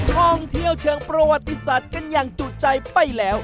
ท่องเที่ยวเชิงประวัติศาสตร์กันอย่างจุใจไปแล้ว